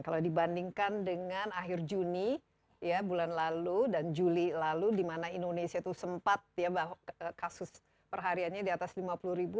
kalau dibandingkan dengan akhir juni bulan lalu dan juli lalu di mana indonesia itu sempat ya bahwa kasus perhariannya di atas lima puluh ribu